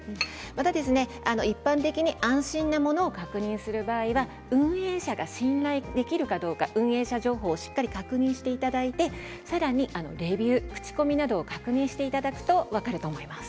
ただ、一般的に安心できるものを確認する場合は運営者が信頼できるかどうか運営者情報しっかり確認していただいて口コミなどを確認していただくと分かると思います。